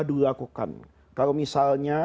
dilakukan kalau misalnya